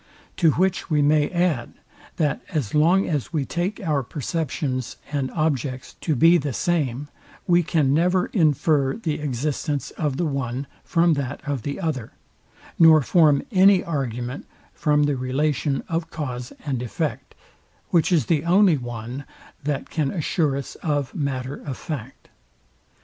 To which we may add, that as long as we take our perceptions and objects to be the same, we can never infer the existence of the one from that of the other, nor form any argument from the relation of cause and effect; which is the only one that earl assure us of matter of fact.